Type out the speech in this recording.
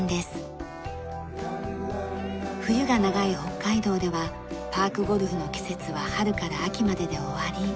冬が長い北海道ではパークゴルフの季節は春から秋までで終わり。